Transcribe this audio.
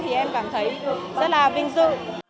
thì em cảm thấy rất là vinh dự